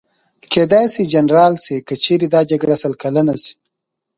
کېدای شي جنرال شي، که چېرې دا جګړه سل کلنه شي.